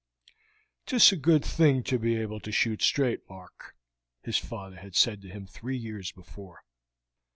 "'Tis a good thing to be able to shoot straight, Mark," his father had said to him three years before.